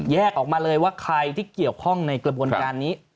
ออกมาเลยว่าใครที่เกี่ยวข้องในกระบวนการนี้